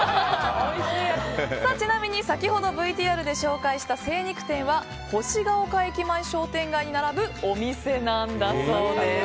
ちなみに、先ほどＶＴＲで紹介した精肉店は星ヶ丘駅前商店街に並ぶお店なんだそうです。